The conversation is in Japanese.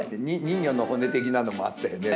人魚の骨的なのもあったよね。